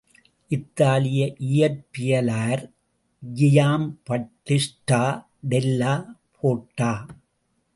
இத்தாலிய இயற்பியலார் ஜியாம்பட்டிஷ்டா டெல்லா போர்ட்டா.